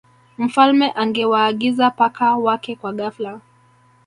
mfalme angewaagiza paka Wake kwa ghafla